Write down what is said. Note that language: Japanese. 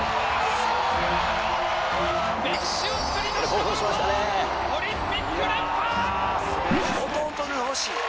歴史をつくりましたボルトオリンピック連覇！